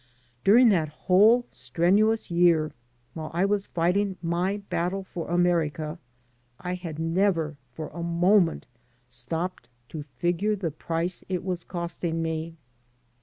During that whole strenuous year, while I was fighting my battle for America, I had never for a moment stopped to figure the price it was costing me.